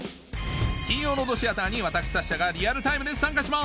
金曜ロードシアターに私サッシャがリアルタイムで参加します！